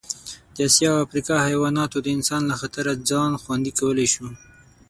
د اسیا او افریقا حیواناتو د انسان له خطره ځان خوندي کولی شو.